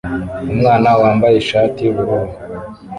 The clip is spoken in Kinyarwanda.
Umwana wambaye ishati yubururu